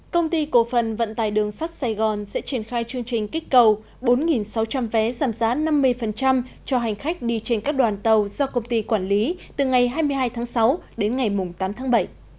công ty cổ phần vận tài đường sắt sài gòn sẽ triển khai chương trình kích cầu bốn sáu trăm linh vé giảm giá năm mươi cho hành khách đi trên các đoàn tàu do công ty quản lý từ ngày hai mươi hai tháng sáu đến ngày tám tháng bảy